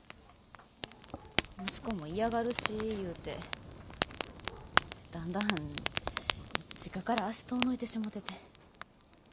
息子も嫌がるしいうてだんだん実家から足遠のいてしもてて。